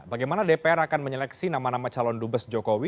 bagaimana dpr akan menyeleksi nama nama calon dubes jokowi